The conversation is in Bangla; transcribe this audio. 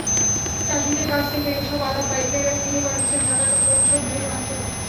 চাষিদের কাছ থেকে এসব আদা পাইকাররা কিনে পাঠাচ্ছেন ঢাকা-চট্টগ্রামসহ বিভিন্ন অঞ্চলে।